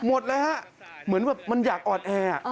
หมดเลยฮะเหมือนแบบมันอยากอ่อนแอ